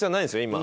今。